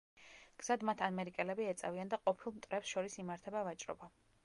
გზად მათ ამერიკელები ეწევიან და ყოფილ მტრებს შორის იმართება ვაჭრობა.